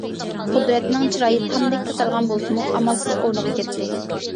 قۇدرەتنىڭ چىرايى تامدەك تاتارغان بولسىمۇ، ئامالسىز ئورنىغا كەتتى.